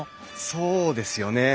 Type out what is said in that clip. そうですよね。